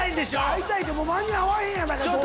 会いたいけど間に合わへんやないかどうせ。